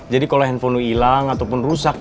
jadi kalau handphone lu ilang ataupun rusak